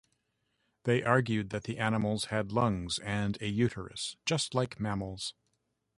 They argued that the animals had lungs and a uterus, just like mammals.